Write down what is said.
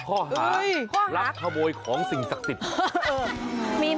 ข้อหารักขโมยของสิ่งศักดิ์สิทธิ์